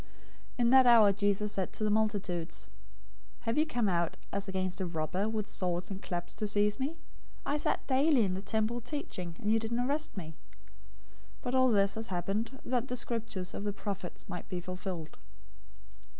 026:055 In that hour Jesus said to the multitudes, "Have you come out as against a robber with swords and clubs to seize me? I sat daily in the temple teaching, and you didn't arrest me. 026:056 But all this has happened, that the Scriptures of the prophets might be fulfilled."